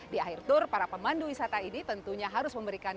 di akhir tour para pemandu wisata ini tentunya harus memberikan